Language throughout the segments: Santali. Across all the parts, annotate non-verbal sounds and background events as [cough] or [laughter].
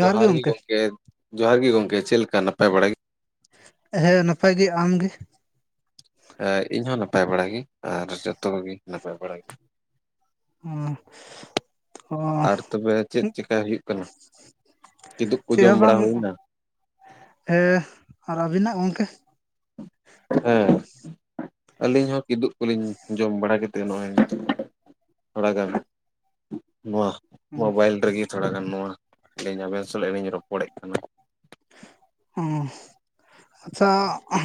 ᱡᱚᱦᱟᱨ ᱜᱮ ᱜᱚᱢᱠᱮ ᱡᱚᱦᱟᱨ ᱜᱮ ᱜᱚᱝᱠᱮ ᱪᱮᱫ ᱞᱮᱠᱟ ᱱᱟᱯᱟᱭ ᱵᱟᱲᱟ ᱜᱮ? ᱦᱮ ᱱᱟᱯᱟᱭ ᱜᱮ ᱟᱢ ᱜᱮ᱾ ᱤᱧ ᱦᱚᱸ ᱱᱟᱯᱟᱭ ᱵᱟᱲᱟ ᱜᱮ ᱟᱨ ᱡᱚᱛᱚ ᱠᱚᱜᱮ ᱱᱟᱯᱟᱭ ᱵᱟᱲᱟ ᱜᱮ᱾ ᱦᱩᱸ᱾ ᱟᱨ ᱛᱚᱵᱮ ᱪᱮᱫ ᱪᱮᱠᱟᱭ ᱦᱩᱭᱩᱜ ᱠᱟᱱᱟ, ᱠᱤᱫᱩᱜ ᱠᱚ ᱡᱚᱢ ᱵᱟᱲᱟ ᱦᱩᱭᱱᱟ? ᱦᱮ ᱟᱨ ᱟᱹᱵᱤᱱᱟᱜ ᱜᱚᱢᱠᱮ? ᱦᱮᱸ ᱟᱹᱞᱤᱧ ᱦᱚᱸ ᱠᱤᱫᱩᱵ ᱠᱚᱞᱤᱧ ᱡᱚᱢ ᱵᱟᱲᱟ ᱠᱟᱛᱮᱫ ᱱᱚᱜᱼᱚᱭ ᱛᱷᱚᱲᱟᱜᱟᱱ ᱱᱚᱣᱟ ᱢᱚᱵᱟᱭᱤᱞ ᱨᱮᱜᱮ ᱛᱷᱚᱲᱟᱜᱟᱱ ᱱᱚᱣᱟ ᱞᱤᱧ ᱟᱵᱮᱱ ᱥᱟᱞᱟᱜᱤᱧ ᱨᱚᱯᱚᱲᱮᱫ ᱠᱟᱱᱟ᱾ ᱚᱻ ᱟᱪᱷᱟ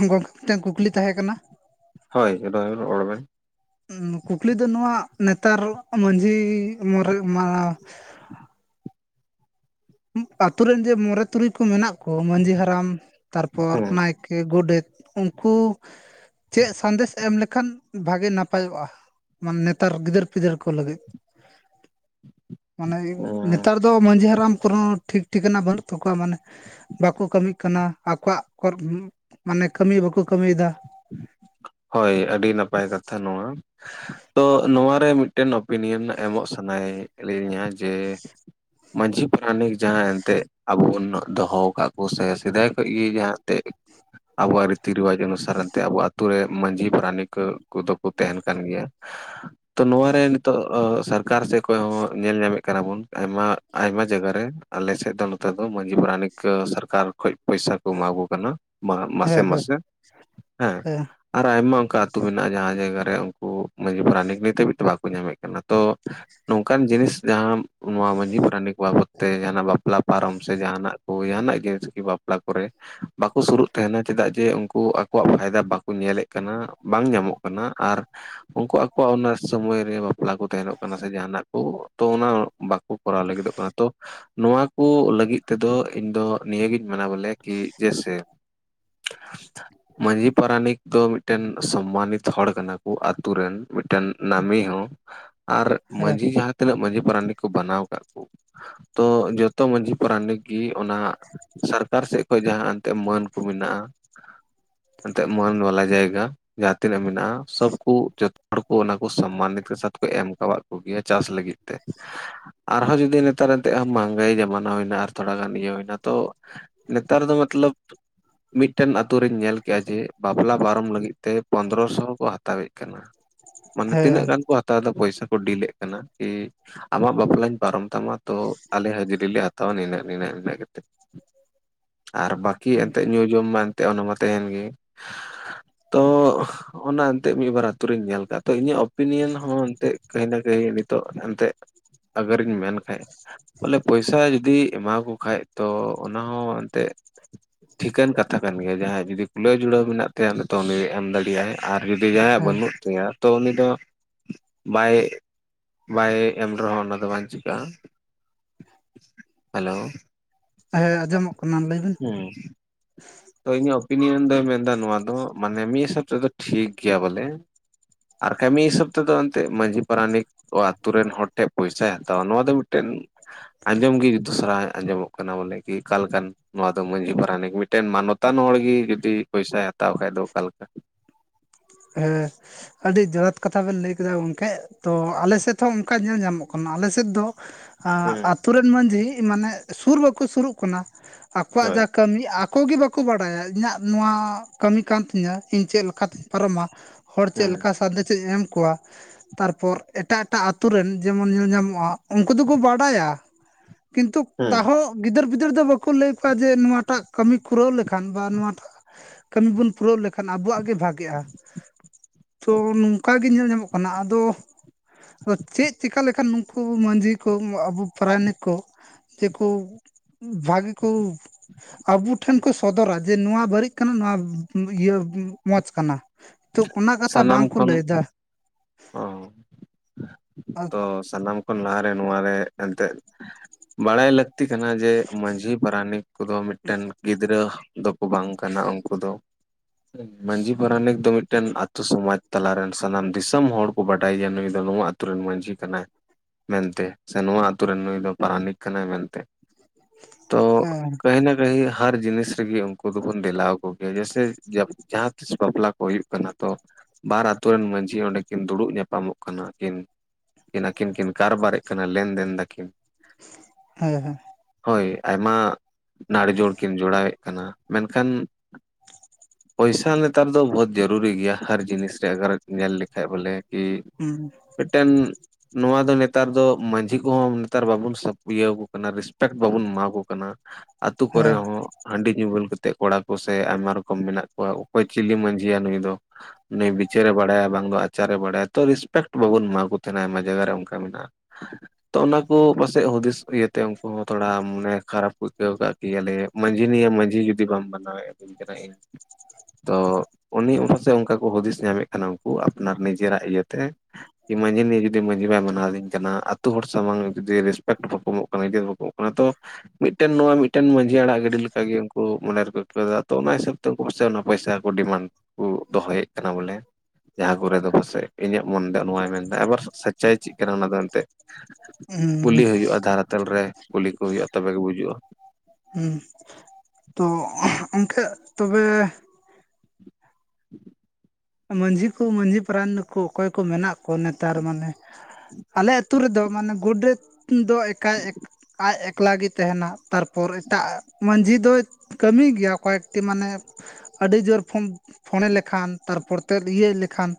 ᱜᱚᱝᱠᱮ ᱢᱤᱫ ᱴᱮᱱ ᱠᱩᱠᱞᱤ ᱛᱟᱦᱮᱸ ᱠᱟᱱᱟ ᱦᱳᱭ ᱨᱚᱦᱚᱭ ᱨᱚᱲ ᱵᱮᱱ ᱠᱩᱠᱞᱤ ᱫᱚ ᱱᱚᱣᱟ ᱱᱮᱛᱟᱨ ᱢᱟᱺᱡᱷᱤ ᱢᱬᱮ ᱢᱟᱱᱟᱣ [unintelligible] ᱟᱛᱩᱨ ᱨᱮᱱ ᱡᱮ ᱢᱚᱬᱮ ᱛᱩᱨᱩᱭ ᱠᱚ ᱢᱮᱱᱟᱜ ᱠᱚ ᱢᱟᱹᱡᱷᱤ ᱦᱟᱲᱟᱢ ᱛᱟᱨᱯᱚᱨ ᱦᱮᱸ ᱱᱟᱭ ᱠᱮ ᱜᱚᱰᱮᱛ ᱩᱝᱠᱩ ᱪᱮᱫ ᱥᱟᱸᱫᱮᱥ ᱮᱢ ᱞᱮᱠᱷᱟᱱ ᱵᱷᱟᱜᱮ ᱱᱟᱯᱟᱭᱚᱜᱼᱟ? ᱢᱟᱱᱮ ᱱᱮᱛᱟᱨ ᱜᱤᱫᱟᱹᱨ ᱯᱤᱫᱟᱹᱨ ᱠᱚ ᱞᱟᱹᱜᱤᱫ ᱢᱟᱱᱮ ᱱᱮᱛᱟᱨ ᱫᱚ ᱢᱟᱹᱡᱷᱤ ᱦᱟᱲᱟᱢ ᱠᱚᱨᱮ ᱦᱚᱸ ᱴᱷᱤᱠ ᱴᱷᱤᱠᱟᱹᱱᱟ ᱵᱟᱹᱱᱩᱜ ᱛᱟᱠᱚᱣᱟ ᱢᱟᱱᱮ ᱵᱟᱠᱚ ᱠᱟᱹᱢᱤᱜ ᱠᱟᱱᱟ ᱟᱠᱚᱣᱟᱜ ᱠᱚᱨᱮ ᱢᱟᱱᱮ ᱠᱟᱹᱢᱤ ᱵᱟᱠᱚ ᱠᱟᱹᱢᱤᱭᱫᱟ ᱦᱳᱭ ᱟᱹᱰᱤ ᱱᱟᱯᱟᱭ ᱠᱟᱛᱷᱟ ᱱᱚᱣᱟ᱾ ᱛᱚ ᱱᱚᱣᱟᱨᱮ ᱢᱤᱫ ᱴᱮᱱ ᱳᱯᱮᱱᱤᱭᱚᱱ ᱮᱢᱚᱜ ᱥᱟᱱᱟᱭᱮᱫ ᱞᱤᱧᱟ ᱡᱮ ᱢᱟᱹᱡᱷᱤ ᱯᱟᱨᱟᱱᱤᱠ ᱡᱟᱦᱟᱸ ᱮᱱᱛᱜ ᱟᱵᱚ ᱵᱚᱱ ᱫᱚᱦᱚ ᱠᱟᱜ ᱠᱚ ᱥᱮ ᱥᱮᱫᱟᱭ ᱠᱷᱚᱡ ᱜᱮ ᱡᱟᱦᱟᱸ ᱛᱮᱡ ᱟᱵᱚᱣᱟᱜ ᱨᱤᱛᱤ ᱨᱤᱵᱟᱡᱽ ᱚᱱᱩᱥᱟᱨᱟᱱ ᱛᱮ ᱟᱵᱚ ᱟᱛᱩ ᱨᱮ ᱢᱟᱹᱡᱷᱤ ᱯᱟᱨᱟᱱᱤᱠ ᱠᱚ ᱠᱚᱫᱚ ᱠᱚ ᱛᱟᱦᱮᱱ ᱠᱟᱱ ᱜᱮᱭᱟ ᱛᱚ ᱱᱚᱣᱟᱨᱮ ᱱᱤᱛᱚᱜ ᱥᱟᱨᱠᱟᱨ ᱥᱮᱫ ᱠᱷᱚᱡ ᱦᱚᱸ ᱧᱮᱞ ᱧᱟᱢᱮᱫ ᱠᱟᱱᱟ ᱵᱚᱱ ᱟᱭᱢᱟ ᱟᱭᱢᱟ ᱡᱟᱭᱜᱟᱨᱮ ᱟᱞᱮᱥᱮᱫ ᱫᱚ ᱱᱚᱛᱮ ᱫᱚ ᱢᱟᱹᱡᱷᱤ ᱯᱟᱨᱟᱱᱤᱠ ᱥᱟᱨᱠᱟᱨ ᱠᱷᱚᱡ ᱯᱚᱭᱥᱟ ᱠᱚ ᱮᱢᱟ ᱠᱚ ᱠᱟᱱᱟ᱾ ᱢᱟ ᱦᱮᱸ ᱢᱟᱥᱮ ᱢᱟᱥᱮ [unintelligible] ᱦᱮᱸ ᱟᱨ ᱟᱭᱢᱟ ᱚᱝᱠᱟ ᱟᱹᱛᱩ ᱢᱮᱱᱟᱜ-ᱟ ᱡᱟᱦᱟᱸ ᱡᱟᱭᱜᱟ ᱨᱮ ᱩᱝᱠᱩ ᱢᱟᱹᱡᱷᱤ ᱯᱟᱨᱟᱱᱤᱠ ᱱᱤᱛ ᱦᱟᱹᱵᱤᱡ ᱛᱮ ᱵᱟ ᱠᱚ ᱧᱟᱢᱮᱫ ᱠᱟᱱᱟ ᱛᱚ ᱱᱚᱝᱠᱟᱱ ᱡᱤᱱᱤᱥ ᱡᱟᱦᱟᱸᱢ ᱱᱚᱣᱟ ᱢᱟᱹᱡᱷᱤ ᱯᱟᱨᱟᱱᱤᱠ ᱠᱚᱣᱟᱜ ᱵᱟᱵᱚᱛ ᱛᱮ ᱡᱟᱦᱟᱱᱟᱜ ᱞᱟ ᱯᱟᱨᱟᱢ ᱥᱮ ᱡᱟᱦᱟᱱᱟᱜ ᱦᱳᱭ ᱡᱟᱦᱟᱱᱟᱜ ᱜᱮ ᱵᱟᱯᱞᱟ ᱠᱚᱨᱮ ᱵᱟᱠᱚ ᱥᱩᱨᱩᱜ ᱛᱟᱦᱮᱱᱟ ᱪᱮᱫᱟᱜ ᱡᱮ ᱩᱱᱠᱩ ᱟᱠ ᱠᱚᱣᱟᱜ ᱯᱷᱟᱹᱭᱫᱟ ᱵᱟᱠᱚ ᱧᱮᱞᱮᱫ ᱠᱟᱱᱟ ᱵᱟᱝ ᱧᱟᱢᱚᱜ ᱠᱟᱱᱟ ᱟᱨ ᱩᱝᱠᱩ ᱟᱠᱚᱣᱟᱜ ᱚᱱᱟ ᱥᱳᱢᱳᱭ ᱨᱮ ᱵᱟᱯᱞᱟ ᱠᱚ ᱛᱟᱦᱮᱱᱚᱜ ᱠᱟᱱᱟ ᱥᱮ ᱡᱟᱦᱟᱱᱟᱜ ᱠᱚ ᱛᱚ ᱚᱱᱟ ᱵᱟ ᱠᱚ ᱠᱚᱨᱟᱣ ᱞᱟᱹᱜᱤᱫᱚᱜ ᱠᱟᱱᱟ ᱛᱚ ᱱᱚᱣᱟ ᱠᱚ ᱞᱟᱹᱜᱤᱫ ᱛᱮᱫᱚ ᱤᱧ ᱫᱚ ᱱᱤᱭᱟᱹᱜᱤᱧ ᱢᱮᱱᱟ ᱵᱚᱞᱮ ᱠᱤ ᱡᱮᱥᱮ [unintelligible] ᱢᱟᱹᱡᱷᱤ ᱯᱟᱨᱟᱱᱤᱠ ᱫᱚ ᱢᱤᱫ ᱴᱮᱱ ᱥᱚᱢᱢᱟᱱᱤᱛ ᱦᱚᱲ ᱠᱟᱱᱟᱠᱚ ᱟᱛᱳ ᱨᱮᱱ ᱢᱤᱫ ᱴᱮᱱ ᱱᱟᱹᱢᱤ ᱦᱚᱸ [unintelligible] ᱟᱨ ᱦᱮᱸ ᱢᱟᱹᱡᱷᱤ ᱡᱟᱦᱟᱸ ᱛᱤᱱᱟᱹᱜ ᱢᱟᱹᱡᱷᱤ ᱯᱟᱨᱟᱱᱤᱠ ᱠᱚ ᱵᱟᱱᱟᱣ ᱠᱟᱜ ᱠᱚ ᱛᱚ ᱡᱚᱛᱚ ᱢᱟᱹᱡᱷᱤ ᱯᱟᱨᱟᱱᱤᱠ ᱠᱤ ᱚᱱᱟ ᱥᱟᱨᱠᱟᱨ ᱥᱮᱫ ᱠᱷᱚᱡ ᱡᱟᱦᱟᱸ ᱮᱱᱛᱮᱫ ᱢᱟᱹᱱ ᱠᱚ ᱢᱮᱱᱟᱹᱜ-ᱟ ᱮᱱᱛᱮᱜ ᱢᱟᱹᱱ ᱵᱟᱞᱟ ᱡᱟᱭᱜᱟ ᱡᱟᱦᱟᱸ ᱛᱤᱱᱟᱹᱜ ᱢᱮᱱᱟᱜ-ᱟ ᱥᱚᱵᱠᱩ ᱡᱚᱛᱚ ᱦᱚᱲ ᱠᱚ ᱚᱱᱟ ᱠᱚ ᱥᱚᱢᱢᱟᱱᱤᱛ ᱥᱟᱛ ᱠᱚ ᱮᱢ ᱠᱟᱣᱟᱫ ᱠᱩᱹᱜᱤᱭᱟ ᱪᱟᱥ ᱞᱟᱹᱜᱤᱫ ᱛᱮ᱾ ᱟᱨᱦᱚᱸ ᱡᱩᱫᱤ ᱱᱮᱛᱟᱨ ᱮᱱᱛᱮᱜ ᱦᱟᱢ ᱢᱟᱸᱜᱟᱭ ᱡᱚᱢᱟᱱᱟ ᱦᱩᱭᱱᱟ ᱟᱨ ᱛᱷᱚᱲᱟ ᱜᱟᱱ ᱤᱭᱟᱹ ᱦᱩᱭᱱᱟ ᱛᱚ ᱱᱮᱛᱟᱨ ᱫᱚ ᱢᱟᱛᱞᱟᱯ ᱢᱤᱫ ᱴᱮᱱ ᱟᱛᱩ ᱨᱮᱧ ᱧᱮᱞ ᱠᱮᱜᱟ ᱡᱮ ᱵᱟᱯᱞᱟ ᱯᱟᱨᱚᱢ ᱞᱟᱹᱜᱤᱫ ᱛᱮ ᱯᱚᱱᱫᱨᱚ ᱥᱚ ᱠᱚ ᱦᱟᱛᱟᱣᱮᱫ ᱠᱟᱱᱟ᱾ ᱢᱟᱱᱮ ᱛᱤᱱᱟᱹᱜ ᱦᱮᱸ ᱜᱟᱱ ᱠᱚ ᱦᱟᱛᱟᱣᱫᱟ ᱯᱚᱭᱥᱟ ᱠᱚ ᱰᱤᱞᱮᱫ ᱠᱟᱱᱟ ᱠᱤ ᱟᱢᱟᱜ ᱵᱟᱯᱞᱟᱧ ᱯᱟᱨᱚᱢ ᱛᱟᱢᱟ ᱛᱳ ᱟᱞᱮ ᱦᱟᱹᱡᱨᱤ ᱞᱮ ᱦᱟᱛᱟᱣᱟ ᱱᱤᱱᱟᱹᱜ ᱱᱤᱱᱟᱹᱜ ᱱᱤᱱᱟᱹᱜ ᱜᱟᱛᱮᱫ᱾ ᱟᱨ ᱵᱟᱹᱠᱤ ᱮᱱᱛᱮᱜ ᱧᱩ ᱡᱚᱢ ᱢᱟ ᱮᱱᱛᱮᱜ ᱚᱱᱟ ᱢᱟ ᱛᱮᱦᱮᱱ ᱜᱮ ᱛᱚᱻ ᱦᱚᱜᱚᱱᱟ ᱮᱱᱛᱮᱜ ᱢᱤᱫ ᱵᱟᱨ ᱟᱹᱛᱩ ᱨᱮᱧ ᱧᱮᱞ ᱠᱟᱜᱟ ᱛᱚ ᱤᱧᱟᱹᱜ ᱚᱯᱮᱱᱤᱭᱟᱹᱱ ᱦᱚᱸ ᱮᱱᱛᱮᱜ ᱠᱟᱹᱦᱤᱱᱟ ᱠᱟᱹᱦᱤ ᱱᱤᱛᱚᱜ ᱮᱱᱛᱮᱜ ᱟᱹᱜᱟᱨᱤᱧ ᱢᱮᱱ ᱠᱷᱟᱹᱡ ᱵᱚᱞᱮ ᱯᱚᱭᱥᱟ ᱡᱩᱫᱤ ᱮᱢᱟᱠᱚ ᱠᱷᱟᱡ ᱛᱚ ᱚᱱᱟ ᱦᱚᱸ ᱮᱱᱛᱮᱜ ᱴᱷᱤᱠᱟᱹᱱ ᱠᱟᱛᱷᱟ ᱠᱟᱱ ᱜᱮᱭᱟ ᱡᱟᱦᱟᱸ ᱡᱩᱫᱤ ᱠᱩᱞᱟᱹᱣ ᱡᱩᱲᱟᱹᱣ ᱢᱮᱱᱟᱜ ᱛᱟᱭᱟ ᱩᱱᱤᱛᱚ ᱩᱱᱤ ᱮᱢ ᱫᱟᱲᱮᱭᱟᱜ ᱟᱭ ᱟᱨ ᱡᱩᱫᱤ ᱡᱟᱦᱟᱸᱭᱟᱜ ᱦᱮᱸ ᱵᱟᱹᱱᱩᱜ ᱛᱟᱭᱟ ᱛᱚ ᱩᱱᱤ ᱫᱚ ᱵᱟᱭ ᱵᱟᱭ ᱮᱢ ᱨᱮᱦᱚᱸ ᱚᱱᱟ ᱫᱚ ᱵᱟᱝ ᱪᱤᱠᱟᱹᱜᱼᱟ ᱦᱮᱞᱳ ᱦᱮᱸ ᱟᱸᱡᱚᱢᱚᱜ ᱠᱟᱱᱟ ᱞᱟᱹᱭᱵᱤᱱ᱾ ᱦᱮᱸ ᱛᱚ ᱤᱧᱟᱹᱜ ᱚᱯᱤᱱᱤᱭᱚᱱ ᱫᱚᱭ ᱢᱮᱱᱫᱟ ᱱᱚᱣᱟ ᱫᱚ ᱢᱟᱱᱮ ᱢᱤᱫ ᱦᱤᱥᱟᱹᱵ ᱛᱮᱫᱚ ᱴᱷᱤᱠ ᱜᱮᱭᱟ ᱵᱚᱞᱮ ᱟᱨ ᱠᱟᱡ ᱢᱤᱫ ᱦᱤᱥᱟᱹᱵ ᱛᱮ ᱫᱚ ᱮᱱᱛᱮᱡ ᱢᱟᱡᱷᱤ ᱯᱟᱨᱟᱱᱤᱠ ᱚ ᱟᱛᱩ ᱨᱮᱱ ᱦᱚᱲ ᱴᱷᱮᱱ ᱯᱚᱭᱥᱟᱭ ᱦᱟᱛᱟᱣᱟ ᱱᱚᱣᱟ ᱫᱚ ᱢᱤᱫᱴᱮᱱ ᱟᱸᱡᱚᱢ ᱜᱮ ᱫᱩᱥᱟᱨᱟ ᱟᱸᱡᱚᱢᱚᱜ ᱠᱟᱱᱟ ᱵᱚᱞᱮ ᱠᱤ ᱚᱠᱟ ᱞᱮᱠᱟᱱ ᱱᱚᱣᱟ ᱫᱚ ᱢᱟᱺᱡᱷᱤ ᱯᱟᱨᱟᱱᱤᱠ ᱢᱤᱫ ᱢᱤᱫᱴᱮᱱ ᱢᱟᱱᱚᱛᱟᱱ ᱦᱚᱲ ᱜᱮ ᱡᱩᱫᱤ ᱯᱚᱭᱥᱟᱭ ᱦᱟᱛᱟᱣ ᱠᱷᱟᱡ ᱫᱚ ᱚᱠᱟᱞᱮᱠᱟ ᱦᱮᱸ ᱟᱹᱰᱤ ᱡᱚᱛᱷᱟᱛ ᱠᱟᱛᱷᱟ ᱵᱮᱱ ᱞᱟᱹᱭ ᱠᱮᱫᱟ ᱜᱚᱝᱠᱮ ᱛᱚ ᱟᱞᱮ ᱥᱮᱫ ᱦᱚᱸ ᱚᱱᱠᱟ ᱧᱮᱞ ᱧᱟᱢᱚᱜ ᱠᱟᱱᱟ ᱟᱞᱮ ᱥᱮᱫ ᱫᱚ ᱟ ᱦᱮᱸ ᱟᱛᱳ ᱨᱮᱱ ᱢᱟᱺᱡᱷᱤ ᱢᱟᱱᱮ ᱥᱩᱨ ᱵᱟᱠᱚ ᱥᱩᱨᱩᱜ ᱠᱟᱱᱟ ᱟᱠᱚᱣᱟᱜ ᱦᱳᱭ ᱡᱟ ᱠᱟᱹᱢᱤ ᱟᱠᱚ ᱜᱮ ᱵᱟᱠᱚ ᱵᱟᱰᱟᱭᱟ ᱤᱧᱟᱹᱜ ᱱᱚᱣᱟ ᱠᱟᱹᱢᱤ ᱠᱟᱱ ᱛᱤᱧᱟᱹ ᱤᱧ ᱪᱮᱫ ᱞᱮᱠᱟᱛᱮ ᱯᱟᱨᱚᱢᱟ ᱦᱚᱲ ᱪᱮᱫ ᱦᱮᱸ ᱞᱮᱠᱟ ᱥᱟᱸᱫᱮᱥᱮᱧ ᱮᱢ ᱠᱚᱣᱟ᱾ ᱛᱟᱨᱯᱚᱨ ᱮᱴᱟᱜ ᱮᱴᱟᱜ ᱟᱛᱩ ᱨᱮᱱ ᱡᱮᱢᱚᱱ ᱧᱮᱞ ᱧᱟᱢᱚᱜᱼᱟ ᱩᱱᱠᱩ ᱫᱚᱠᱚ ᱵᱟᱰᱟᱭᱟ᱾ ᱠᱤᱱᱛᱩ ᱦᱮᱸ ᱛᱟᱦᱚᱸ ᱜᱤᱫᱟᱹᱨ ᱯᱤᱫᱟᱹᱨ ᱫᱚ ᱵᱟᱠᱚ ᱞᱟᱹᱭ ᱟᱠᱚᱣᱟ ᱡᱮ ᱱᱚᱣᱟᱴᱟᱜ ᱠᱟᱹᱢᱤ ᱠᱩᱨᱟᱹᱣ ᱞᱮᱠᱷᱟᱱ ᱵᱟ ᱱᱚᱣᱟᱴᱟᱜ ᱠᱟᱹᱢᱤ ᱵᱚᱱ ᱯᱩᱨᱟᱹᱣ ᱞᱮᱠᱷᱟᱱ ᱟᱵᱚᱣᱟᱜ ᱜᱮ ᱵᱷᱟᱜᱮᱜᱼᱟ ᱛᱚ ᱱᱚᱝᱠᱟ ᱜᱮ ᱧᱮᱞ ᱧᱟᱢᱚᱜ ᱠᱟᱱᱟ ᱟᱫᱚ ᱟᱫᱚ ᱪᱮᱫ ᱪᱤᱠᱟᱹ ᱞᱮᱠᱷᱟᱱ ᱱᱩᱠᱩ ᱢᱟᱹᱡᱷᱤ ᱠᱚ ᱟᱵᱚ ᱯᱟᱨᱟᱭᱱᱤᱠ ᱠᱚ ᱡᱮᱠᱚ ᱵᱷᱟᱜᱮ ᱠᱚ ᱟᱵᱩ ᱴᱷᱮᱱ ᱠᱚ ᱥᱚᱫᱚᱨᱟ ᱡᱮ ᱱᱚᱣᱟ ᱵᱟᱹᱲᱤᱡ ᱠᱟᱱᱟ ᱱᱚᱣᱟ ᱤᱭᱟᱹ ᱢᱚᱸᱡᱽ ᱠᱟᱱᱟ ᱛᱚ ᱚᱱᱟ ᱠᱟᱛᱷᱟ ᱥᱟᱱᱟᱢ ᱵᱟᱝᱠᱚ ᱠᱷᱚᱱ ᱞᱟᱹᱭ ᱫᱟ ᱚ ᱛᱚ ᱥᱟᱱᱟᱢ ᱠᱷᱚᱱ ᱞᱟᱦᱟᱨᱮ ᱱᱚᱣᱟ ᱨᱮ ᱮᱱᱛᱮᱫ ᱵᱟᱲᱟᱭ ᱞᱟᱹᱠᱛᱤ ᱠᱟᱱᱟ ᱡᱮ ᱢᱟᱹᱡᱷᱤ ᱯᱟᱨᱟᱱᱤᱠ ᱠᱚᱫᱚ ᱢᱤᱫᱴᱮᱱ ᱜᱤᱫᱽᱨᱟᱹ ᱫᱚᱠᱚ ᱵᱟᱝ ᱠᱟᱱᱟ ᱩᱱᱠᱩ ᱫᱚ ᱢᱟᱹᱡᱷᱤ ᱯᱟᱨᱟᱱᱤᱠ ᱫᱚ ᱢᱤᱫᱴᱮᱱ ᱟᱛᱳ ᱥᱚᱢᱟᱡᱽ ᱛᱟᱞᱟᱨᱮᱱ ᱥᱟᱱᱟᱢ ᱫᱤᱥᱚᱢ ᱦᱚᱲ ᱠᱚ ᱵᱟᱰᱟᱭ ᱜᱮᱭᱟ ᱱᱩᱭ ᱫᱚ ᱱᱚᱣᱟ ᱟᱛ ᱨᱮᱱ ᱢᱟᱹᱡᱷᱤ ᱠᱟᱱᱟᱭ ᱢᱮᱱᱛᱮ ᱥᱮ ᱱᱚᱣᱟ ᱟᱛᱩᱨ ᱨᱮᱱ ᱱᱩᱭ ᱫᱚ ᱯᱟᱨᱟᱱᱤᱠ ᱠᱟᱱᱟᱭ ᱢᱮᱱᱛᱮ ᱛᱚ ᱦᱮᱸ ᱠᱟᱹᱦᱤᱱᱟ ᱠᱟᱹᱦᱤ ᱦᱟᱨ ᱡᱤᱱᱤᱥ ᱨᱮᱜᱮ ᱩᱱᱠᱩ ᱫᱚᱵᱚᱱ ᱫᱮᱞᱟᱣ ᱠᱚ ᱜᱮᱭᱟ ᱡᱮᱥᱮ ᱡᱟᱦᱟᱸ ᱛᱤᱥ ᱵᱟᱯᱞᱟ ᱠᱚ ᱦᱩᱭᱩᱜ ᱠᱟᱱᱟ ᱛᱚ ᱵᱟᱨ ᱟᱛᱳ ᱨᱮᱱ ᱢᱟᱹᱡᱷᱤ ᱚᱸᱰᱮ ᱠᱤᱱ ᱫᱩᱲᱩᱵ ᱧᱟᱯᱟᱢᱚᱜ ᱠᱟᱱᱟ ᱠᱤᱱ ᱟᱹᱠᱤᱱ ᱠᱤᱱ ᱠᱟᱨᱵᱟᱨᱮᱜ ᱠᱟᱱᱟ ᱞᱮᱱᱫᱮᱱ ᱫᱟᱹᱠᱤᱱ ᱦᱮᱸ ᱦᱮᱸ ᱦᱳᱭ ᱟᱭᱢᱟ ᱱᱟᱲᱡᱳᱲ ᱠᱤᱱ ᱡᱚᱲᱟᱣᱮᱫ ᱠᱟᱱᱟ ᱢᱮᱱᱠᱷᱟᱱ ᱯᱚᱭᱥᱟ ᱱᱮᱛᱟᱨ ᱫᱚ ᱵᱚᱦᱩᱛ ᱡᱚᱨᱩᱨᱤ ᱜᱮᱭᱟ ᱦᱟᱨ ᱡᱤᱱᱤᱥ ᱨᱮ ᱟᱜᱟᱨ ᱧᱮᱞ ᱞᱮᱠᱷᱟᱡ ᱵᱚᱞᱮ ᱠᱤ ᱦᱩ ᱢᱤᱫᱴᱮᱱ ᱱᱚᱣᱟ ᱫᱚ ᱱᱮᱛᱟᱨ ᱫᱚ ᱢᱟᱹᱡᱷᱤ ᱠᱚᱦᱚᱸ ᱱᱮᱛᱟᱨ ᱵᱟᱵᱚᱱ ᱤᱭᱟᱹ ᱟᱠᱚ ᱠᱟᱱᱟ ᱨᱮᱥᱯᱮᱠᱴ ᱵᱟᱵᱚᱱ ᱮᱢᱟ ᱠᱚ ᱠᱟᱱᱟ᱾ ᱟᱛᱳ ᱠᱚᱨᱮ ᱦᱮᱸ ᱦᱚᱸ ᱦᱟᱺᱰᱤ ᱧᱩ ᱵᱩᱞ ᱠᱟᱛᱮᱫ ᱠᱚᱲᱟ ᱠᱚᱥᱮ ᱟᱭᱢᱟ ᱨᱚᱠᱚᱢ ᱢᱮᱱᱟᱜ ᱠᱚᱣᱟ ᱚᱠᱚᱭ ᱪᱤᱞᱤ ᱢᱟᱹᱡᱷᱤᱭᱟ ᱱᱩᱭ ᱫᱚ ᱩᱱᱤ ᱵᱤᱪᱟᱹᱨᱮ ᱵᱟᱲᱟᱭᱟ ᱵᱟᱝ ᱫᱚ ᱟᱡ ᱫᱟᱨᱮ ᱵᱟᱲᱟᱭᱟ ᱛᱚ ᱨᱮᱥᱯᱮᱠᱴ ᱵᱟᱵᱚᱱ ᱮᱢᱟ ᱠᱚ ᱛᱟᱦᱮᱱᱟ ᱟᱭᱢᱟ ᱡᱟᱭᱜᱟ ᱨᱮ ᱚᱱᱠᱟ ᱢᱮᱱᱟᱜᱼᱟ ᱛᱚ ᱚᱱᱟ ᱠᱚ ᱯᱟᱥᱮᱡ ᱦᱩᱫᱤᱥ ᱤᱭᱟᱹᱛᱮ ᱩᱱᱠᱩ ᱦᱚᱸ ᱛᱷᱚᱲᱟ ᱢᱟᱱᱮ ᱠᱷᱟᱨᱟᱯ ᱠᱚ ᱟᱹᱭᱠᱟᱹᱣ ᱠᱟᱜ᱾ ᱠᱮᱭᱟᱞᱮ ᱢᱟᱹᱡᱷᱤ ᱱᱤᱭᱟᱹ ᱢᱟᱹᱡᱷᱤ ᱡᱩᱫᱤ ᱵᱟᱢ ᱢᱟᱱᱟᱣ [unintelligible] ᱛᱚ ᱩᱱᱤ ᱯᱟᱥᱮᱡ ᱚᱱᱠᱟ ᱠᱚ ᱦᱩᱫᱤᱥ ᱧᱟᱢᱮᱫ ᱠᱟᱱᱟ ᱩᱱᱠᱩ ᱟᱯᱱᱟᱨ ᱱᱤᱡᱮᱨᱟᱜ ᱤᱭᱟᱹᱛᱮ᱾ ᱢᱟᱹᱡᱷᱤ ᱱᱤᱭᱟᱹ ᱡᱩᱫᱤ ᱢᱟᱹᱡᱷᱤ ᱵᱟᱭ ᱢᱟᱱᱟᱣᱫᱤᱧ ᱠᱟᱱᱟ, ᱟᱛᱳ ᱦᱚᱲ ᱥᱟᱢᱟᱝ ᱡᱩᱫᱤ ᱨᱮᱥᱯᱮᱠᱴ ᱵᱟᱠᱚ ᱮᱢᱚᱜ ᱠᱟᱱᱟ, ᱵᱟᱠᱚ [inaudible] ᱚᱱᱟ ᱛᱚ ᱢᱤᱫᱴᱮᱱ ᱱᱚᱣᱟ ᱢᱤᱫᱴᱮᱱ, ᱢᱟᱹᱡᱷᱤ ᱟᱲᱟᱜ ᱜᱟᱹᱰᱤ ᱞᱮᱠᱟᱜᱮ, ᱩᱱᱠᱩ ᱢᱚᱱᱮ ᱨᱮᱠᱚ ᱟᱹᱭᱠᱟᱹᱣ ᱫᱟ ᱛᱚ ᱚᱱᱟ ᱦᱤᱥᱟᱹᱵ ᱛᱚ ᱩᱱᱠᱩ ᱯᱟᱥᱮ ᱚᱱᱟ ᱯᱚᱭᱥᱟ ᱠᱚ ᱰᱤᱢᱟᱱᱰ ᱠᱚ ᱫᱚᱦᱚᱭᱮᱫ ᱠᱟᱱᱟ ᱵᱚᱞᱮ ᱡᱟᱦᱟᱸ ᱠᱚᱨᱮ ᱫᱚ ᱯᱟᱥᱮᱡ, ᱤᱧᱟᱹᱜ ᱢᱚᱱ ᱫᱚ ᱱᱚᱟᱭ ᱢᱮᱱᱫᱟ, ᱟᱵᱟᱨ ᱥᱟᱪᱟᱭ ᱪᱮᱫ ᱠᱟᱱᱟ ᱚᱱᱟ ᱫᱚ ᱮᱱᱛᱮᱫ ᱩ ᱦᱩᱸ, ᱦᱳᱴᱮᱞ ᱨᱮ ᱠᱩᱞᱤ ᱠᱚ ᱦᱩᱭᱩᱜᱼᱟ, ᱛᱚᱵᱮᱜᱮ ᱵᱩᱡᱩᱜᱼᱟ᱾ ᱦᱩ ᱛᱚ ᱚᱱᱠᱟ ᱛᱚᱵᱮ [inaudible] [inaudible] ᱢᱟᱹᱡᱷᱤ ᱠᱚ ᱢᱟᱹᱡᱷᱤ ᱯᱟᱨᱟᱱᱤᱠ ᱠᱚ, ᱚᱠᱚᱭ ᱠᱚ ᱢᱮᱱᱟᱜ ᱠᱚ ᱱᱮᱛᱟᱨ ᱢᱟᱱᱮ ᱟᱞᱮ ᱟᱹᱛᱩ ᱨᱮᱫᱚ, ᱢᱟᱱᱮ ᱜᱳᱰᱮᱛ ᱫᱚ ᱮᱠᱟ ᱟᱡ ᱮᱠᱞᱟ ᱜᱮ ᱛᱟᱦᱮᱸᱱᱟ᱾ ᱛᱟᱨᱯᱚᱨᱮ ᱮᱴᱟᱜ ᱢᱟᱺᱡᱷᱤ ᱫᱚᱭ, ᱠᱟᱹᱢᱤ ᱜᱮᱭᱟ ᱠᱚᱭᱮᱠᱴᱤ ᱢᱟᱱᱮ᱾ ᱟᱹᱰᱤ ᱡᱳᱨ ᱯᱷᱳᱱᱮ ᱞᱮᱠᱷᱟᱱ, ᱛᱟᱨᱯᱚᱨᱮ ᱛᱮ ᱤᱭᱟᱹ ᱞᱮᱠᱷᱟᱱ᱾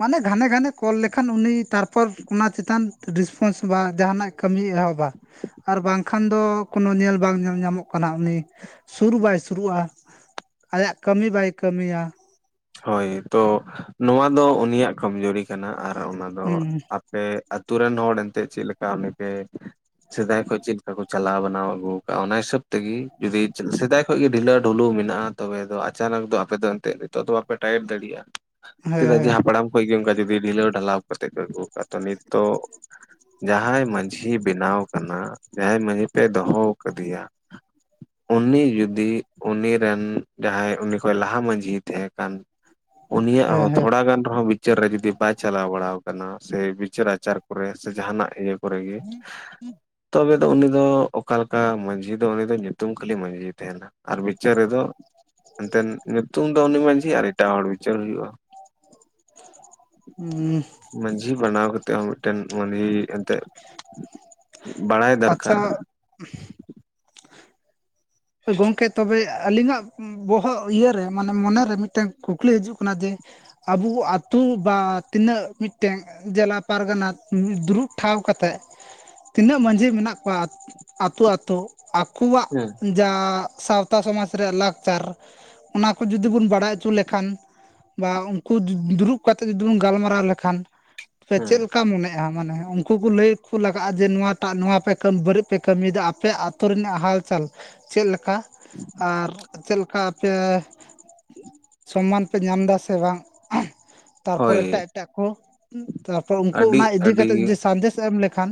ᱢᱟᱱᱮ ᱜᱷᱟᱱᱮ ᱜᱷᱟᱱᱮ ᱠᱚᱞ ᱞᱮᱠᱷᱟᱱ, ᱩᱱᱤ ᱛᱟᱨᱯᱚᱨ ᱚᱱᱟ ᱪᱮᱛᱟᱱ ᱨᱮᱥᱯᱚᱱᱥ ᱵᱟ ᱡᱟᱦᱟᱱᱟᱜ ᱠᱟᱹᱢᱤᱭ ᱮᱦᱚᱵᱟ ᱾ ᱟᱨ ᱵᱟᱝᱠᱷᱟᱱ ᱫᱚ ᱠᱳᱱᱳ, ᱧᱮᱞ ᱵᱟᱝ ᱧᱮᱞ ᱧᱟᱢᱚᱜ ᱠᱟᱱᱟ, ᱩᱱᱤ ᱥᱩᱨ ᱵᱟᱭ ᱥᱩᱨᱩᱜᱼᱟ᱾ ᱟᱭᱟᱜ ᱠᱟᱹᱢᱤ ᱵᱟᱭ ᱠᱟᱹᱢᱤᱭᱟ᱾ ᱦᱳᱭ ᱛᱚ ᱱᱚᱶᱟ ᱫᱚ ᱩᱱᱤᱭᱟᱜ ᱠᱟᱢᱡᱩᱨᱤ ᱠᱟᱱᱟ ᱟᱨ ᱚᱱᱟ ᱫᱚ᱾ ᱦᱩᱸ [unintelligible] ᱟᱯᱮ ᱟᱛᱳ ᱨᱮᱱ ᱦᱚᱲ ᱮᱱᱛᱮᱫ ᱪᱮᱫ ᱞᱮᱠᱟ ᱩᱱᱤ ᱯᱮ ᱥᱮᱫᱟᱭ ᱠᱷᱚᱡ ᱪᱮᱫ ᱞᱮᱠᱟ ᱠᱚ ᱪᱟᱞᱟᱣ ᱵᱟᱱᱟᱣ ᱟᱹᱜᱩᱣ ᱠᱟᱜᱼᱟ ᱚᱱᱟ ᱦᱤᱥᱟᱹᱵ ᱛᱮ᱾ ᱛᱮᱜᱮ ᱡᱩᱫᱤ ᱥᱮᱫᱟᱭ ᱠᱷᱚᱡ ᱜᱮ ᱰᱷᱤᱞᱟᱹ ᱰᱷᱩᱞᱩ ᱢᱮᱱᱟᱜᱼᱟ, ᱛᱚᱵᱮ ᱫᱚ ᱟᱪᱟᱱᱚᱠ ᱫᱚ ᱟᱯᱮ ᱫᱚ ᱮᱱᱛᱮᱫ ᱱᱤᱛᱚᱜ ᱫᱚ ᱵᱟᱯᱮ ᱴᱟᱭᱤᱴ ᱫᱟᱲᱮᱜᱼᱟ, ᱦᱮᱸ ᱪᱮᱫᱟᱜ ᱡᱮ ᱦᱮᱸ ᱦᱟᱯᱲᱟᱢ ᱠᱷᱚᱡ ᱜᱮ ᱚᱱᱠᱟ ᱡᱩᱫᱤ ᱰᱷᱤᱞᱟᱹᱣ, ᱰᱷᱟᱞᱟᱣ ᱠᱟᱛᱮ ᱯᱮ ᱟᱹᱜᱩᱣ ᱠᱟᱫ-ᱟ ᱛᱚ ᱱᱤᱛ ᱫᱚ᱾ ᱡᱟᱦᱟᱸᱭ ᱢᱟᱺᱡᱷᱤ ᱵᱮᱱᱟᱣ ᱠᱟᱱᱟ, ᱡᱟᱦᱟᱸᱭ ᱢᱟᱺᱡᱷᱤ ᱯᱮ ᱫᱚᱦᱚ ᱠᱟᱹᱫᱮᱭᱟ ᱩᱱᱤ ᱡᱩᱫᱤ ᱩᱱᱤᱨᱮᱱ ᱡᱟᱦᱟᱸᱭ ᱩᱱᱤ, ᱠᱷᱚᱱ ᱞᱟᱦᱟ ᱢᱟᱺᱡᱷᱤ ᱛᱮᱦᱮᱸ ᱠᱟᱱ ᱩᱱᱤᱭᱟᱜ ᱦᱮᱸ ᱦᱚᱸ, ᱦᱮᱸ ᱛᱷᱚᱲᱟ ᱜᱟᱱ ᱨᱮᱦᱚᱸ᱾ [unintelligible] ᱵᱤᱪᱟᱹᱨ ᱨᱮ ᱡᱩᱫᱤ ᱵᱟᱭ ᱪᱟᱞᱟᱣ ᱵᱟᱲᱟᱣ ᱠᱟᱱᱟ, ᱥᱮ ᱵᱤᱪᱟᱹᱨ ᱟᱪᱟᱨ ᱠᱚᱨᱮ ᱥᱮ ᱡᱟᱦᱟᱱᱟᱜ ᱤᱭᱟᱹ ᱠᱚᱨᱮ ᱜᱮ ᱛᱚᱵᱮ ᱫᱚ ᱩᱱᱤ ᱫᱚ, ᱚᱠᱟ ᱞᱮᱠᱟ ᱢᱟᱺᱡᱷᱤ ᱫᱚ ᱩᱱᱤ ᱫᱚ, ᱧᱩᱛᱩᱢ ᱠᱷᱟᱹᱞᱤ ᱢᱟᱺᱡᱷᱤ ᱛᱮᱦᱮᱱᱟ᱾ ᱟᱨ ᱵᱤᱪᱟᱹᱨ ᱨᱮᱫᱚ ᱮᱱᱛᱮᱱ ᱧᱩᱛᱩᱢ ᱛᱚ ᱩᱱᱤ ᱢᱟᱺᱡᱷᱤ, ᱟᱨ ᱮᱴᱟᱜ ᱦᱚᱲ ᱵᱤᱪᱟᱹᱨ ᱦᱩᱭᱩᱜᱼᱟ᱾ ᱦᱩᱸ ᱢᱟᱺᱡᱷᱤ ᱵᱟᱱᱟᱣ ᱠᱟᱛᱮᱫ ᱦᱚᱸ, ᱢᱤᱫᱴᱮᱱ ᱩᱱᱤ ᱮᱱᱛᱮᱫ ᱵᱟᱲᱟᱭ ᱟᱪᱪᱷᱟ ᱫᱟᱨᱠᱟᱨ᱾ ᱜᱚᱝᱠᱮ ᱛᱚᱵᱮ ᱟᱹᱞᱤᱧᱟᱜ ᱵᱚᱦᱚᱜ ᱤᱭᱟᱹᱨᱮ, ᱢᱟᱱᱮ ᱢᱚᱱᱮ ᱨᱮ ᱢᱤᱫᱴᱮᱱ ᱠᱩᱠᱞᱤ ᱦᱤᱡᱩᱜ ᱠᱟᱱᱟ ᱡᱮ? ᱟᱵᱩ ᱟᱛᱩ ᱵᱟ ᱛᱤᱱᱟᱹᱜ ᱢᱤᱫᱴᱮᱜ ᱡᱟᱞᱟ ᱯᱟᱨᱜᱟᱱᱟ ᱫᱩᱲᱩᱵ ᱴᱷᱟᱶ ᱠᱟᱛᱮᱫ᱾ ᱛᱤᱱᱟᱹᱜ ᱢᱟᱺᱡᱷᱤ ᱢᱮᱱᱟᱜ ᱠᱚᱣᱟ, ᱟᱹᱛᱳ ᱟᱛᱳ ᱟᱠᱚᱣᱟᱜ ᱦᱮᱸ, ᱡᱟ ᱥᱟᱶᱛᱟ ᱥᱚᱢᱟᱡᱽ ᱨᱮᱭᱟᱜ ᱞᱟᱠᱪᱟᱨ, ᱚᱱᱟ ᱠᱚ ᱡᱩᱫᱤ ᱵᱚᱱ ᱵᱟᱲᱟᱭ ᱪᱩ ᱞᱮᱠᱷᱟᱱ᱾ ᱵᱟ ᱩᱱᱠᱩ ᱫᱩᱨᱩᱜ ᱠᱟᱛᱮᱫ ᱡᱩᱫᱤ, ᱵᱚᱱ ᱜᱟᱞᱢᱟᱨᱟᱣ ᱞᱮᱠᱷᱟᱱ ᱛᱚᱵᱮ ᱦᱮᱸ ᱪᱮᱫ ᱞᱮᱠᱟ ᱠᱟ ᱢᱚᱱᱮᱜᱼᱟ ᱢᱟᱱᱮ ᱩᱱᱠᱩ ᱠᱚ ᱞᱟᱹᱭ ᱠᱚ, ᱞᱟᱜᱟᱜᱼᱟ ᱡᱮ ᱱᱚᱣᱟ ᱴᱟᱜ ᱱᱚᱣᱟ, ᱯᱮ ᱵᱟᱹᱲᱤᱡ ᱯᱮ ᱠᱟᱹᱢᱤᱭᱮᱫᱟ ᱟᱯᱮ᱾ ᱟᱛᱳ ᱨᱮᱱᱟᱜ ᱦᱟᱞᱪᱟᱞ ᱪᱮᱫ ᱞᱮᱠᱟ ᱟᱨ ᱪᱮᱫ ᱞᱮᱠᱟ ᱟᱯᱮ, ᱥᱚᱢᱢᱟᱱ ᱯᱮ ᱧᱟᱢ ᱫᱟ ᱥᱮ ᱵᱟᱝ? ᱛᱟᱨᱯᱚᱨᱮ ᱮᱴᱟᱜ ᱦᱳᱭ ᱮᱴᱟᱜ ᱠᱚ, ᱛᱟᱨᱯᱚᱨᱮ ᱩᱱᱠᱚ ᱟᱹᱰᱤ ᱚᱱᱟ ᱤᱫᱤ ᱟᱹᱰᱤ ᱠᱟᱛᱮ ᱡᱩᱫᱤ ᱥᱟᱸᱫᱮᱥ ᱮᱢ ᱞᱮᱠᱷᱟᱱ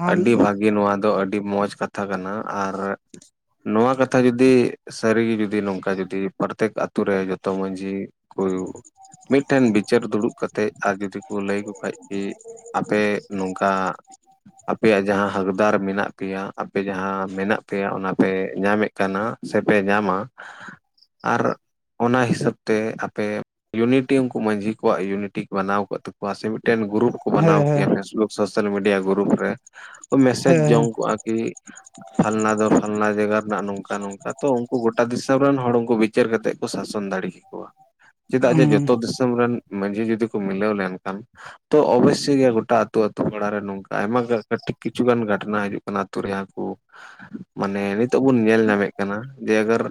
ᱦᱮᱸ ᱟᱹᱰᱤ ᱵᱷᱟᱹᱜᱮ ᱱᱚᱣᱟ ᱫᱚ, ᱟᱹᱰᱤ ᱢᱚᱸᱡᱽ ᱠᱟᱛᱷᱟ ᱠᱟᱱᱟ ᱟᱨ ᱱᱚᱣᱟ ᱠᱟᱛᱷᱟ ᱡᱩᱫᱤ ᱥᱟᱹᱨᱤ ᱜᱮ ᱡᱩᱫᱤ ᱱᱚᱝᱠᱟ ᱜᱮ ᱡᱩᱫᱤ ᱯᱨᱚᱛᱮᱠ ᱟᱛᱳ ᱨᱮ ᱡᱚᱛᱚ ᱢᱟᱺᱡᱷᱤ [unintelligible] ᱢᱤᱫᱴᱷᱮᱱ ᱵᱤᱪᱟᱹᱨ ᱫᱩᱲᱩᱵ ᱠᱟᱛᱮᱫ ᱟᱨ ᱡᱩᱫᱤ ᱠᱩ ᱞᱟᱹᱭ ᱠᱚ ᱠᱷᱟᱡ ᱠᱤ ᱟᱯᱮ ᱱᱚᱝᱠᱟ ᱟᱯᱮᱭᱟᱜ ᱡᱟᱦᱟᱸ ᱦᱟᱠᱫᱟᱨ ᱢᱮᱱᱟᱜ ᱯᱮᱭᱟ ᱾ ᱟᱯᱮ ᱡᱟᱦᱟᱸ ᱢᱮᱱᱟᱜ ᱯᱮᱭᱟ ᱚᱱᱟ ᱯᱮ ᱧᱟᱢᱮᱫ ᱠᱟᱱᱟ ᱥᱮ ᱯᱮ ᱧᱟᱢᱟ ᱟᱨ ᱚᱱᱟ ᱦᱤᱥᱟᱹᱵᱽ ᱛᱮ ᱟᱯᱮ ᱤᱭᱩᱱᱤᱴᱤ ᱩᱱᱠᱩ ᱢᱟᱺᱡᱷᱤ ᱠᱚᱣᱟᱜ ᱤᱭᱩᱱᱤᱴᱤᱜ ᱵᱮᱱᱟᱣ ᱠᱚᱜ ᱛᱟᱠᱚᱣᱟ ᱥᱮ ᱢᱤᱫᱴᱮᱱ ᱜᱩᱨᱩᱯ [unintelligible] ᱦᱮᱸ ᱵᱟᱱᱟᱣ ᱦᱮᱸ ᱠᱮᱭᱟ ᱯᱷᱮᱥᱵᱩᱠ ᱥᱳᱥᱟᱞ ᱢᱤᱰᱤᱭᱟ ᱜᱩᱨᱩᱯ ᱨᱮ ᱢᱮᱥᱮᱡᱽ ᱦᱮᱸ ᱡᱚᱝ ᱠᱚᱜᱼᱟ ᱠᱤ [inaudible] ᱯᱷᱟᱞᱱᱟ ᱫᱚ ᱯᱷᱟᱞᱱᱟ ᱡᱟᱭᱜᱟ ᱨᱮᱱᱟᱜ ᱱᱚᱝᱠᱟ ᱱᱚᱝᱠᱟ ᱛᱚ ᱩᱱᱠᱩ ᱜᱚᱴᱟ ᱫᱤᱥᱚᱢ ᱨᱮᱱ ᱦᱚᱲ ᱩᱱᱠᱩ ᱵᱤᱪᱟᱹᱨ ᱠᱟᱛᱮᱫ ᱠᱚ ᱥᱟᱥᱚᱱ ᱫᱟᱲᱮ ᱠᱮᱠᱚᱣᱟ ᱾ [inaudible] ᱪᱮᱫᱟᱜ ᱡᱮ ᱡᱚᱛᱚ ᱫᱤᱥᱚᱢ ᱨᱮᱱ ᱢᱟᱺᱡᱷᱤ ᱡᱩᱫᱤ ᱠᱚ ᱢᱤᱞᱟᱹᱣ ᱞᱮᱱᱠᱷᱟᱱ ᱾ ᱛᱚ ᱚᱵᱚᱥᱥᱳᱭ ᱜᱮᱭᱟ ᱜᱚᱴᱟ ᱟᱛᱚ ᱟᱛᱚ ᱯᱟᱲᱟ ᱨᱮ ᱱᱚᱝᱠᱟ ᱟᱭᱢᱟ ᱠᱟᱹᱴᱤᱡ ᱠᱤᱪᱷᱩ ᱜᱟᱱ ᱜᱷᱟᱴᱱᱟ ᱦᱤᱡᱩᱜ ᱠᱟᱱᱟ ᱟᱛᱚ ᱨᱮᱭᱟᱜ ᱠᱚ ᱾ ᱢᱟᱱᱮ ᱱᱤᱛᱚᱜ ᱵᱚᱱ ᱧᱮᱞ ᱧᱟᱢᱮᱫ ᱠᱟᱱᱟ ᱡᱮ ᱟᱜᱟᱨ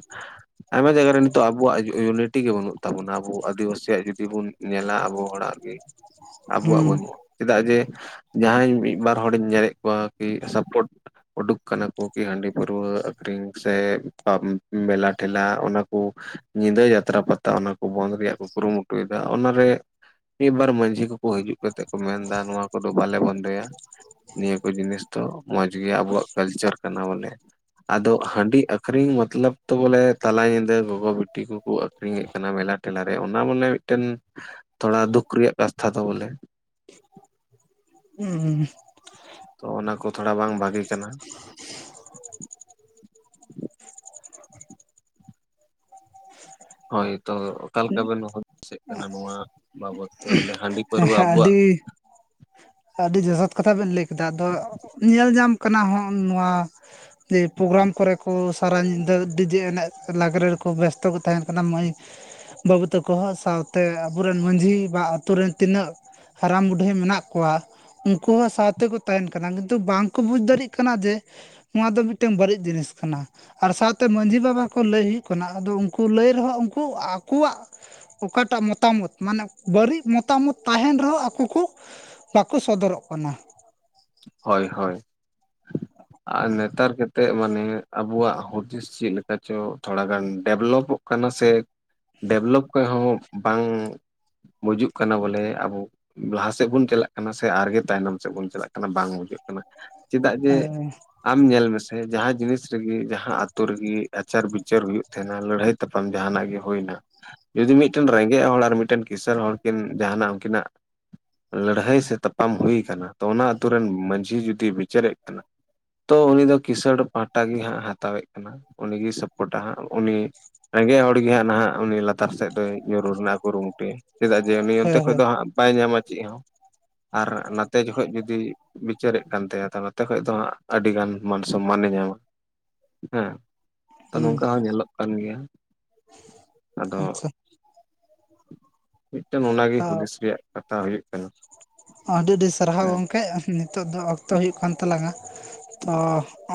ᱟᱭᱢᱟ ᱡᱟᱭᱜᱟ ᱨᱮ ᱱᱤᱛᱚᱜ ᱟᱵᱚᱣᱟᱜ ᱤᱭᱩᱱᱤᱴᱤ ᱜᱮ ᱵᱟᱹᱱᱩᱜ ᱛᱟᱵᱚᱱᱟ ᱟᱵᱚ ᱟᱹᱫᱤᱵᱟᱹᱥᱤᱭᱟᱜ ᱡᱩᱫᱤ ᱵᱚᱱ ᱧᱮᱞᱟ ᱟᱵᱚ ᱦᱚᱲᱟᱜ ᱾ ᱟᱵᱚᱣᱟᱜ ᱦᱩᱸ ᱵᱟᱹᱱᱩᱜᱼᱟ ᱪᱮᱫᱟᱜ ᱡᱮ ᱡᱟᱦᱟᱸᱭ ᱵᱟᱨ ᱦᱚᱲᱤᱧ ᱧᱮᱞᱮᱫ ᱠᱚᱣᱟ ᱠᱤ ᱥᱟᱯᱳᱨᱴ ᱩᱰᱩᱠ ᱟᱠᱟᱱᱟ ᱠᱚ ᱠᱤ ᱦᱟᱺᱰᱤ ᱯᱟᱹᱣᱨᱟᱹ ᱟᱠᱷᱨᱤᱧ ᱥᱮᱻ ᱢᱮᱞᱟ ᱴᱷᱮᱞᱟ ᱚᱱᱟ ᱠᱚ ᱾ ᱧᱤᱫᱟᱹ ᱡᱟᱛᱨᱟ ᱯᱟᱛᱟ ᱚᱱᱟ ᱠᱚ ᱵᱚᱱᱫ ᱨᱮᱭᱟᱜ ᱠᱚ ᱠᱩᱨᱩᱢᱩᱴᱩᱭᱮᱫᱟ ᱚᱱᱟ ᱨᱮ ᱾ ᱢᱤᱫ ᱵᱟᱨ ᱢᱟᱺᱡᱷᱤ ᱠᱚᱠᱚ ᱦᱤᱡᱩᱜ ᱠᱟᱛᱮᱫ ᱠᱚ ᱢᱮᱱ ᱮᱫᱟ ᱱᱚᱣᱟ ᱠᱚᱫᱚ ᱵᱟᱞᱮ ᱵᱚᱱᱫᱚᱭᱟ ᱾ ᱱᱤᱭᱟᱹ ᱠᱚ ᱡᱤᱱᱤᱥ ᱫᱚ ᱢᱚᱸᱡᱽ ᱜᱮ ᱟᱵᱚᱣᱟᱜ ᱠᱟᱞᱪᱟᱨ ᱠᱟᱱᱟ ᱵᱚᱞᱮ ᱟᱫᱚ ᱦᱟᱺᱰᱤ ᱟᱹᱠᱷᱨᱤᱧ ᱢᱚᱛᱞᱚᱵ ᱛᱮ ᱵᱚᱞᱮ ᱛᱟᱞᱟ ᱧᱤᱫᱟᱹ ᱜᱚᱜᱚ ᱵᱤᱴᱤ ᱠᱚᱠᱚ ᱟᱹᱠᱷᱨᱤᱧᱮᱫ ᱢᱮᱞᱟ ᱴᱮᱞᱟ ᱨᱮ ᱚᱱᱟ ᱵᱚᱞᱮ ᱢᱤᱫᱴᱮᱱ ᱛᱷᱚᱲᱟ ᱫᱩᱠ ᱨᱮᱭᱟᱜ ᱠᱟᱛᱷᱟ ᱫᱚ ᱵᱚᱞᱮ ᱾ ᱦᱩᱸ ᱛᱚ ᱚᱱᱟ ᱠᱚ ᱛᱷᱚᱲᱟ ᱵᱟᱝ ᱵᱷᱟᱜᱮ ᱠᱟᱱᱟ ᱾ ᱦᱳᱭ ᱛᱚ ᱚᱠᱟ ᱞᱮᱠᱟ ᱵᱮᱱ ᱦᱩᱫᱤᱥᱚᱜ ᱠᱟᱱᱟ ᱱᱚᱣᱟ ᱵᱟᱵᱚᱛ ᱛᱮ ᱵᱚᱞᱮ ᱦᱟᱺᱰᱤ ᱯᱟᱹᱨᱣᱟᱹ ᱟᱵᱚᱣᱟᱜ [inaudible] ᱟᱹᱰᱤ ᱡᱚᱛᱷᱟᱛ ᱠᱟᱛᱷᱟ ᱵᱮᱱ ᱞᱟᱹᱭ ᱠᱮᱫᱟ ᱾ ᱟᱫᱚ ᱧᱮᱞ ᱧᱟᱢ ᱠᱟᱱᱟ ᱦᱚᱸᱜ ᱱᱚᱣᱟ ᱡᱮ ᱯᱨᱳᱜᱨᱟᱢ ᱠᱚᱨᱮ ᱠᱚ ᱥᱟᱨᱟ ᱧᱤᱫᱟᱹ ᱰᱤᱡᱮ ᱮᱱᱮᱡ ᱞᱟᱜᱽᱲᱮ ᱨᱮᱠᱚ ᱵᱮᱥᱛᱚ ᱠᱚ ᱛᱟᱦᱮᱱ ᱠᱟᱱᱟ ᱢᱟᱹᱭ ᱵᱟᱹᱵᱩ ᱛᱟᱠᱚ ᱦᱚᱸ ᱥᱟᱶᱛᱮ ᱟᱵᱚᱨᱮᱱ ᱢᱟᱺᱡᱷᱤ ᱵᱟ ᱟᱛᱳ ᱨᱮᱱ ᱛᱤᱱᱟᱹᱜ ᱦᱟᱨᱟᱢ ᱵᱩᱰᱷᱟᱹᱭ ᱢᱮᱱᱟᱜ ᱠᱚᱣᱟ ᱩᱱᱠᱩ ᱦᱚᱸ ᱥᱟᱶᱛᱮᱠᱚ ᱛᱟᱦᱮᱱ ᱠᱟᱱᱟ ᱠᱤᱱᱛᱩ ᱵᱟᱝᱠᱚ ᱵᱩᱡᱽ ᱫᱟᱲᱮᱭᱟᱜ ᱠᱟᱱᱟ ᱡᱮ ᱱᱚᱣᱟ ᱫᱚ ᱢᱤᱫᱴᱟᱹᱝ ᱵᱟᱹᱲᱤᱡ ᱡᱤᱱᱤᱥ ᱠᱟᱱᱟ ᱾ ᱟᱨ ᱥᱟᱶᱛᱮ ᱢᱟᱺᱡᱷᱤ ᱵᱟᱵᱟ ᱠᱚ ᱞᱟᱹᱭ ᱦᱩᱭᱩᱜ ᱠᱟᱱᱟ ᱟᱫᱚ ᱩᱱᱠᱩ ᱞᱟᱹᱭ ᱨᱮᱦᱚᱸ ᱩᱱᱠᱩ ᱣᱟᱜ ᱚᱠᱟᱴᱟᱜ ᱢᱚᱛᱟᱢᱚᱛ, ᱢᱟᱱᱮ ᱵᱟᱹᱲᱤᱡ ᱢᱚᱛᱟᱢᱚᱛ ᱛᱟᱦᱮᱱ ᱨᱮᱦᱚᱸ ᱟᱠᱚ ᱠᱚ ᱵᱟᱠᱚ ᱥᱚᱫᱚᱨᱚᱜ ᱠᱟᱱᱟ ᱾ ᱦᱳᱭ ᱦᱳᱭ ᱾ [inaudible] ᱟᱨ ᱱᱮᱛᱟᱨ ᱠᱟᱛᱮᱫ ᱢᱟᱱᱮ ᱟᱵᱚᱣᱟᱜ ᱦᱩᱫᱤᱥ ᱪᱮᱫ ᱞᱮᱠᱟ ᱪᱚ ᱛᱷᱚᱲᱟ ᱜᱟᱱ ᱰᱮᱵᱷᱞᱚᱯᱚᱜ ᱠᱟᱱᱟ ᱥᱮ ᱰᱮᱵᱷᱞᱚᱯ ᱠᱷᱚᱡ ᱦᱚᱸ ᱵᱟᱝ ᱵᱩᱡᱩᱜ ᱠᱟᱱᱟ ᱵᱚᱞᱮ ᱟᱵᱚ ᱞᱟᱦᱟ ᱥᱮᱫ ᱵᱚᱱ ᱪᱟᱞᱟᱜ ᱠᱟᱱᱟ ᱥᱮ ᱟᱨᱜᱮ ᱛᱟᱭᱱᱚᱢ ᱥᱮᱫ ᱵᱚᱱ ᱪᱟᱞᱟᱜ ᱠᱟᱱᱟ ᱾ ᱚᱱᱟ ᱵᱟᱝ ᱵᱩᱡᱷᱟᱹᱜ ᱠᱟᱱᱟ, ᱪᱮᱫᱟᱜ ᱡᱮ ᱦᱮᱸ ᱟᱢ ᱧᱮᱞ ᱢᱮᱥᱮ ᱡᱟᱦᱟᱸ ᱡᱤᱱᱤᱥ ᱨᱮᱜᱮ ᱡᱟᱦᱟᱸ ᱟᱛᱳ ᱨᱮᱜᱮ ᱟᱪᱟᱨ ᱵᱤᱪᱟᱨ ᱦᱩᱭᱩᱜ ᱛᱟᱦᱮᱱᱟ ᱞᱟᱹᱲᱦᱟᱹᱭ ᱛᱟᱯᱟᱢ ᱡᱟᱦᱟᱱᱟᱜ ᱜᱮ ᱦᱳᱭ ᱮᱱᱟ ᱡᱩᱫᱤ ᱢᱤᱫᱴᱮᱱ ᱨᱮᱸᱜᱮᱡ ᱦᱚᱲ ᱟᱨ ᱢᱤᱫᱴᱮᱱ ᱠᱤᱥᱟᱹᱬ ᱦᱚᱲᱠᱤᱱ ᱡᱟᱦᱱᱟᱜ ᱩᱱᱠᱤᱱᱟᱜᱼᱼ ᱞᱟᱹᱲᱦᱟᱹᱭ ᱥᱮ ᱛᱟᱯᱟᱢ ᱦᱩᱭ ᱠᱟᱱᱟ ᱛᱚ ᱚᱱᱟ ᱟᱹᱛᱳ ᱨᱮᱱ ᱢᱟᱺᱡᱷᱤ ᱡᱩᱫᱤ ᱵᱤᱪᱟᱹᱨᱮᱫ ᱠᱟᱱᱟ᱾ ᱛᱚ ᱩᱱᱤ ᱫᱚ ᱠᱤᱥᱟᱹᱬ ᱯᱟᱦᱴᱟ ᱜᱮ ᱦᱟᱸᱜ ᱦᱟᱛᱟᱣᱮᱫ ᱠᱟᱱᱟ ᱩᱱᱤᱜᱮᱭ ᱥᱟᱯᱳᱴᱟ ᱦᱟᱸᱜ ᱩᱱᱤᱼᱼ ᱨᱮᱸᱜᱮᱡ ᱦᱚᱲ ᱜᱮ ᱦᱟᱸᱜ ᱱᱟᱦᱟᱜ ᱩᱱᱤ ᱞᱟᱛᱟᱨ ᱥᱮᱫ ᱫᱚᱭ ᱧᱩᱨᱩᱜ ᱨᱮᱱᱟᱜ ᱠᱩᱨᱩ ᱢᱩᱴᱩᱭᱟ᱾ ᱪᱮᱫᱟᱜ ᱡᱮ ᱩᱱᱤ ᱚᱱᱛᱮ ᱠᱷᱚᱡ ᱦᱮᱸ ᱫᱚ ᱦᱟᱸᱜ ᱵᱟᱭ ᱧᱟᱢᱟ ᱪᱮᱫ ᱦᱚᱸ ᱟᱨ ᱱᱟᱛᱮ ᱡᱚᱠᱷᱚᱡ ᱡᱩᱫᱤᱼᱼ ᱵᱤᱪᱟᱹᱨᱮᱫ ᱠᱟᱱ ᱛᱟᱭᱟ ᱛᱚ ᱱᱚᱛᱮ ᱠᱷᱚᱡ ᱫᱚ ᱦᱟᱸᱜ ᱟᱹᱰᱤᱜᱟᱱ ᱢᱟᱹᱱ ᱥᱚᱱᱢᱟᱹᱱᱮ ᱧᱟᱢᱟ᱾ ᱦᱮᱸ ᱦᱩᱸ ᱱᱚᱝᱠᱟ ᱦᱚᱸ ᱧᱮᱞᱚᱜ ᱠᱟᱱ ᱜᱮᱭᱟ ᱟᱫᱚ, ᱟᱪᱪᱷᱟ ᱢᱤᱫᱴᱮᱱ ᱚᱱᱟᱜᱮ ᱦᱩᱫᱤᱥ ᱨᱮᱭᱟᱜ ᱠᱟᱛᱷᱟ ᱦᱩᱭᱩᱜ ᱠᱟᱱᱟ᱾ ᱟᱹᱰᱤ ᱟᱹᱰᱤ ᱥᱟᱨᱦᱟᱣ ᱦᱮᱸ ᱜᱚᱢᱠᱮ ᱱᱤᱛᱚᱜ ᱫᱚ ᱚᱠᱛᱚ ᱦᱩᱭᱩᱜ ᱠᱟᱱ ᱛᱟᱞᱟᱝᱼᱟ ᱛᱚ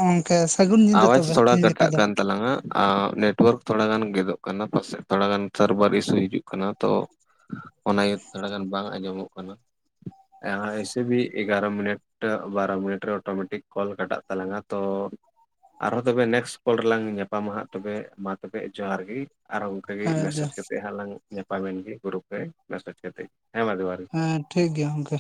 ᱚᱼᱝᱠᱮ ᱥᱟᱹᱜᱩᱱ ᱧᱤᱫᱟᱹ ᱛᱚᱵᱮ ᱛᱮᱦᱮᱧ ᱞᱮᱠᱟ ᱫᱚ᱾ ᱛᱟᱞᱟᱝ ᱟ ᱱᱮᱴᱚᱣᱟᱨᱠ ᱛᱷᱚᱲᱟ ᱜᱟᱱ ᱜᱮᱫᱚᱜ ᱠᱟᱱᱟ ᱯᱟᱥᱮᱱᱼᱼ ᱛᱷᱚᱲᱟ ᱜᱟᱱ ᱥᱟᱨᱵᱷᱟᱨ ᱤᱥᱩ ᱦᱤᱡᱩᱜ ᱠᱟᱱᱟ ᱛᱚ ᱚᱱᱟ ᱤᱭᱟᱹᱛᱮ ᱛᱷᱚᱲᱟᱜᱟᱱ ᱵᱟᱝ ᱟᱸᱡᱚᱢᱚᱜ ᱠᱟᱱᱟ᱾ ᱮᱥᱮ ᱵᱤ ᱮᱜᱟᱨᱚ ᱢᱤᱱᱤᱴ, ᱢᱤᱫᱴ ᱵᱟᱨᱚ ᱢᱤᱱᱤᱴ ᱨᱮ ᱚᱴᱳᱢᱮᱴᱤᱠ ᱠᱚᱞ ᱠᱟᱴᱟᱜ ᱛᱟᱞᱟᱝᱟ ᱛᱚᱼᱼ ᱟᱨᱦᱚᱸ ᱛᱚᱵᱮ ᱱᱮᱠᱥ ᱠᱚᱞ ᱨᱮᱞᱟᱝ ᱧᱟᱯᱟᱢᱟ ᱦᱟᱸᱜ ᱛᱚᱵᱮ ᱢᱟ ᱛᱚᱵᱮ ᱡᱚᱦᱟᱨ ᱜᱮ ᱟᱨᱦᱚᱸ ᱚᱱᱠᱟᱜᱮ ᱦᱮᱸ ᱡᱚ ᱢᱮᱥᱮᱡᱽ ᱠᱟᱛᱮᱼᱼ ᱦᱟᱞᱟᱝ ᱧᱟᱯᱟᱢᱮᱱ ᱜᱮ ᱜᱩᱨᱩᱯ ᱨᱮ ᱢᱮᱥᱮᱡᱽ ᱠᱟᱛᱮᱫ ᱦᱮᱸ ᱢᱟ ᱡᱚᱦᱟᱨ ᱜᱮᱼᱼ ᱦᱮᱸ ᱴᱷᱤᱠ ᱜᱮᱭᱟ ᱜᱚᱝᱠᱮ